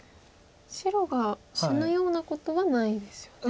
白が死ぬようなことはないですよね。